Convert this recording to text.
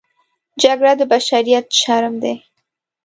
جګړه د بشریت شرم دی